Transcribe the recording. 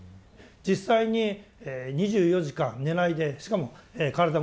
実際に２４時間寝ないでしかも体も動かす